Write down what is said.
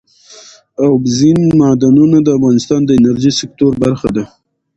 اوبزین معدنونه د افغانستان د انرژۍ سکتور برخه ده.